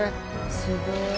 すごい。